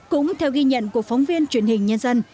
cũng theo ghi nhận của phóng viên truyền hình nhân dân